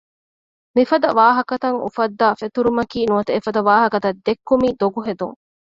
މިފަދަ ވާހަކަތައް އުފައްދައި ފެތުރުމަކީ ނުވަތަ އެފަދަ ވާހަކަތައް ދެއްކުމަކީ ދޮގުހެދުން